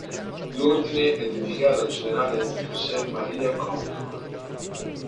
L'ordine è dedicato al generale José María Córdova.